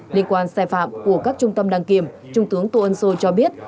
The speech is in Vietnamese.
liên quan sai phạm của các trung tâm đăng kiểm trung tướng tô ân sô cho biết